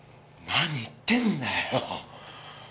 何言ってんだよ。